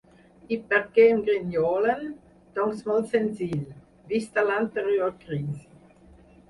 I per què em grinyolen? Doncs molt senzill, vista l’anterior crisi.